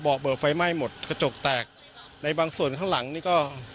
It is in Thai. เบิกไฟไหม้หมดกระจกแตกในบางส่วนข้างหลังนี่ก็